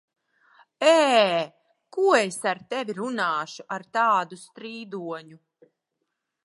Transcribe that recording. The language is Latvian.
Ē! Ko es ar tevi runāšu, ar tādu strīdoņu?